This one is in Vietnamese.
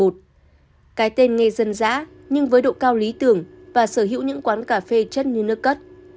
cái tên nghe dân dã nhưng với độ cao lý tưởng và sở hữu những quán cà phê chất như nước cất